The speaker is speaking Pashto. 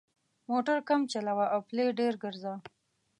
موټر کم چلوه او پلي ډېر ګرځه.